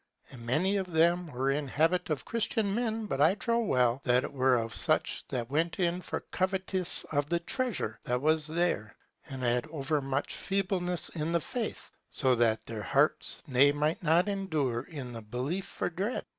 And many of them were in habit of Christian men, but I trow well, that it were of such that went in for covetise of the treasure that was there, and had overmuch feebleness in the faith; so that their hearts ne might not endure in the belief for dread.